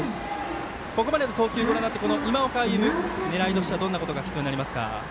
ここまでの投球ご覧になって今岡歩夢狙いとしては、どんなことが必要になりますか？